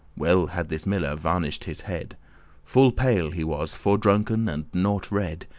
Well had this miller varnished his head; Full pale he was, fordrunken, and *nought red*.